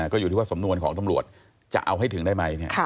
ก็อยู่ที่ว่าสำนวนของตำรวจจะเอาให้ถึงได้ไหม